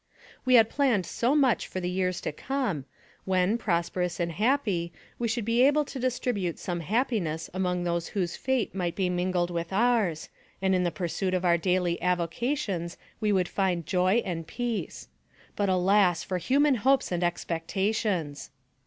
We had planned so much for the years to come, when, prosperous and happy, we should be able to 158 NARRATIVE OF CAPTIVITY distribute some happiness among those whose fate might be mingled with ours, and in the pursuit of our daily avocations we would find joy and peace. But, alas! for human hopes and expectations